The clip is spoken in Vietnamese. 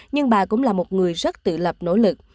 nhưng bà cũng là một người rất tự lập nỗ lực